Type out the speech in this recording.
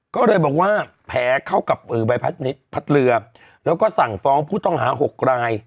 ก็เลยบอกว่าแผลเข้ากับใบพัดเรือแล้วก็สั่งฟ้องผู้ต้องหา๖ราย